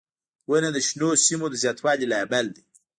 • ونه د شنو سیمو د زیاتوالي لامل دی.